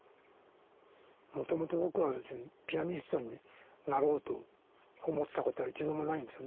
もともと僕は別にピアニストになろうと思ったことは一度もないんですよね